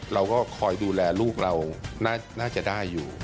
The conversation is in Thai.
เราก็คอยดูแลลูกเราน่าจะได้อยู่